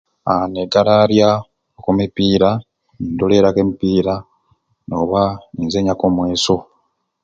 Aaa negalaarya ku mipiira ni ndorooraku emipiira oba ni nzenyaku omweso.